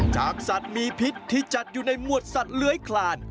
จากสัตว์มีพิษที่จัดอยู่ในหมวดสัตว์เลื้อยคลาน